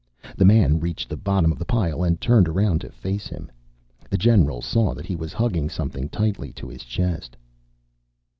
The man reached the bottom of the pile and turned around to face him. The general saw that he was hugging something tightly to his chest.